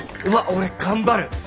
うわ俺頑張る！